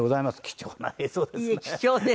貴重な映像ですね。